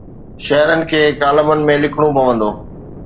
شهرن کي ڪالمن ۾ لکڻو پوندو.